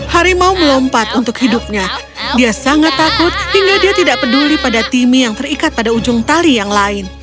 harimau melompat untuk hidupnya dia sangat takut hingga dia tidak peduli pada timmy yang terikat pada ujung tali yang lain